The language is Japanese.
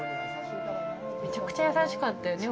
めちゃくちゃ優しかったよね